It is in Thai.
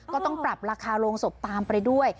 ก็ต้องปรับราคาโรงศพตามไปด้วย